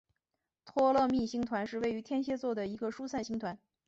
托勒密星团是位于天蝎座的一个疏散星团。